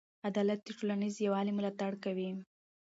عدالت د ټولنیز یووالي ملاتړ کوي.